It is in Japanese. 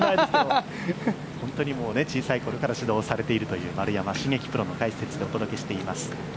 本当に小さいころから指導をされているという丸山茂樹さんの解説でお届けをしています。